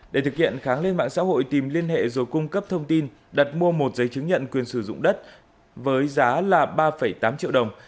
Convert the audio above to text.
để thực hiện thắng lên mạng xã hội tìm liên hệ rồi cung cấp thông tin đặt mua một giấy chứng nhận quyền sử dụng đất với giá là ba tám triệu đồng